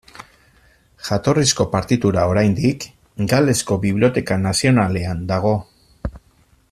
Jatorrizko partitura oraindik Galesko Biblioteka Nazionalean dago.